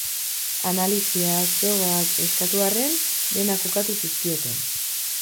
Analisiak, frogak... eskatu arren, denak ukatu zizkioten.